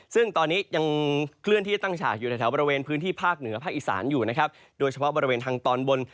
ซึ่งตอนนี้ยังเคลื่อนที่ตั้งฉากอยู่ในแถวบริเวณพื้นที่ภาคเหนือภาคอีสานอยู่นะครับโดยเฉพาะบริเวณทางตอนบน